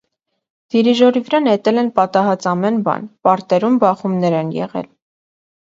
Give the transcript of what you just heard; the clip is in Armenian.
Դիրիժորի վրա նետել են պատահած ամեն բան, պարտերում բախումներ են եղել։